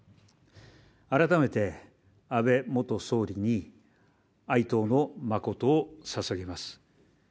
改めて安倍元総理に哀悼の誠を捧げます。